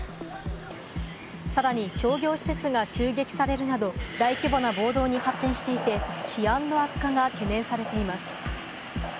さらに商業施設が襲撃されるなど、大規模な暴動に発展していて、治安の悪化が懸念されています。